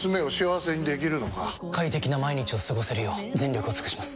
快適な毎日を過ごせるよう全力を尽くします！